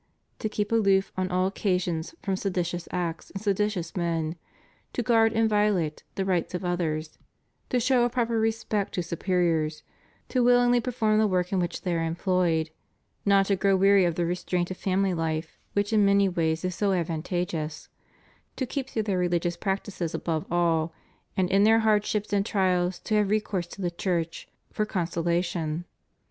to keep aloof on all occasions from seditious acts and seditious men; to guard inviolate the rights of others; to show a proper respect to superiors; to willingly perform the work in which they are employed ; not to grow weary of the restraint of family hfe which in many ways is so advantageous; to keep to their re ligious practices above all, and in their hardships and trials to have recourse to the Church for consolation.